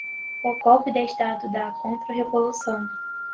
O Golpe de Estado da Contra-Revolução